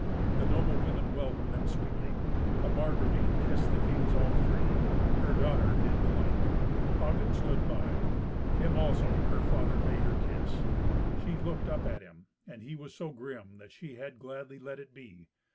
The noble women welcomed them sweetly. The Margravine kissed the kings all three. Her daughter did the like. Hagen stood by. Him also her father bade her kiss. She looked up at him, and he was so grim that she had gladly let it be.